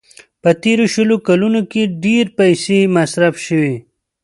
په تېرو شلو کلونو کې ډېرې پيسې مصرف شوې.